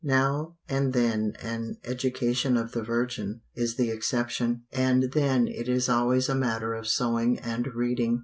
Now and then an "Education of the Virgin" is the exception, and then it is always a matter of sewing and reading.